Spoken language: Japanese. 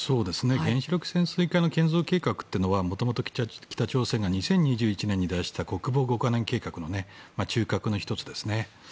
原子力潜水艦の建造計画というのはもともと北朝鮮が２０２１年に出した国防５か年計画の中核の１つですね。